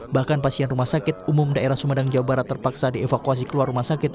bahkan pasien rumah sakit umum daerah sumedang jawa barat terpaksa dievakuasi keluar rumah sakit